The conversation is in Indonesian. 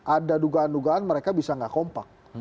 ada dugaan dugaan mereka bisa nggak kompak